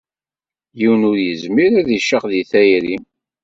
Yiwen ur yezmir ad icax deg tayri.